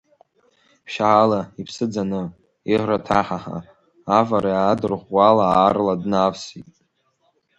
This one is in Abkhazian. Ԥшьаала, иԥсы ӡаны, иӷра ҭаҳаҳа, авара иадырӷәӷәала аарла днавсит.